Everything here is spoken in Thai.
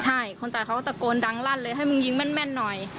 ใช่คนตายเขาก็ตะโกนดังลั่นเลยให้มึงยิงแม่นหน่อย